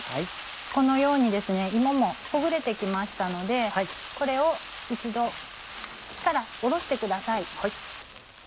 このようにですね芋もほぐれて来ましたのでこれを一度火から下ろしてください。